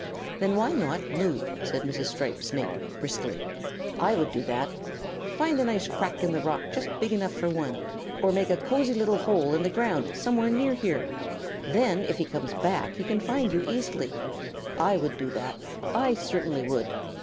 "Then why not move?" said Mrs. Striped Snake, briskly. "I would do that. Find a nice crack in the rock just big enough for one, or make a cosy little hole in the ground somewhere near here. Then if he comes back he can find you easily. I would do that. I certainly would."